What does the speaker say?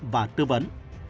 và tư vấn